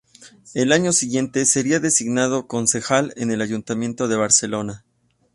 El año siguiente sería designado concejal en el Ayuntamiento de Barcelona.